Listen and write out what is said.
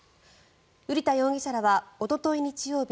瓜田容疑者らはおととい日曜日